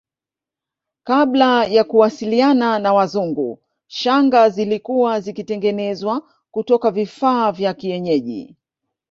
Kabla ya kuwasiliana na Wazungu shanga zilikuwa zikitengenezwa kutoka vifaa vya kienyeji